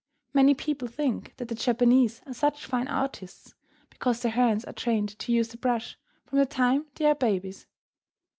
Many people think that the Japanese are such fine artists because their hands are trained to use the brush from the time they are babies.